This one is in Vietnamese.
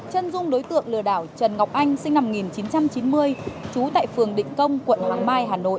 chân dung đối tượng lừa đảo trần ngọc anh sinh năm một nghìn chín trăm chín mươi trú tại phường định công quận hoàng mai hà nội